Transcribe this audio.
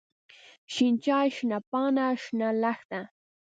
شين چای، شنه پاڼه، شنه لښته.